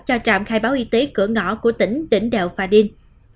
cho trạm khai báo y tế cửa ngõ của tỉnh tỉnh đèo pha điên